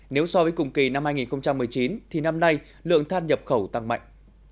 nếu so với cùng kỳ năm hai nghìn một mươi chín thì năm nay lượng than nhập khẩu tăng mạnh